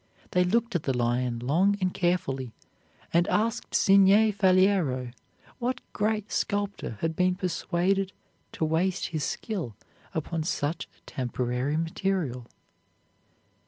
They looked at the lion long and carefully, and asked Signer Faliero what great sculptor had been persuaded to waste his skill upon such a temporary material.